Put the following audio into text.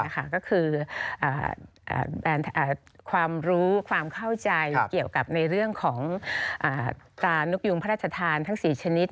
ก็คือความรู้ความเข้าใจเกี่ยวกับในเรื่องของตรานกยุงพระราชทานทั้ง๔ชนิด